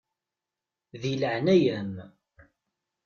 Di leɛnaya-m.